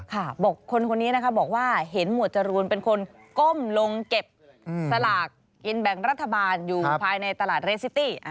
บอกคนคนนี้นะคะบอกว่าเห็นหมวดจรูนเป็นคนก้มลงเก็บสลากกินแบ่งรัฐบาลอยู่ภายในตลาดเรซิตี้